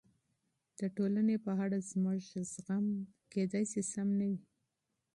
د ټولنې په اړه زموږ برداشتونه ممکن غلط وي.